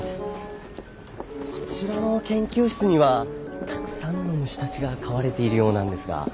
こちらの研究室にはたくさんの虫たちが飼われているようなんですが。